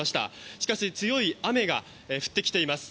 しかし強い雨が降ってきています。